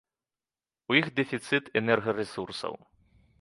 У іх дэфіцыт энергарэсурсаў.